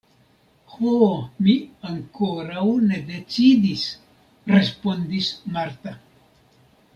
Ho, mi ankoraŭ ne decidis – respondis Marta.